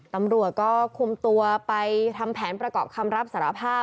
ตำรวจก็คุมตัวไปทำแผนประกอบคำรับสารภาพ